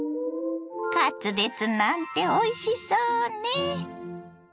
カツレツなんておいしそうね。